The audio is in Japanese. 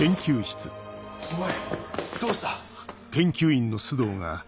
おいどうした？